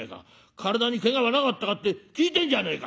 体にけがはなかったかって聞いてんじゃねえか」。